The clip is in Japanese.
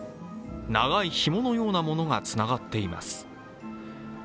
長いひものようなものが、つながっています。